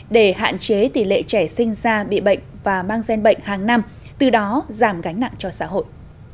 để hạn chế tỷ lệ trẻ sinh ra bị bệnh và mang gen bệnh hàng năm từ đó giảm gánh nặng cho xã hội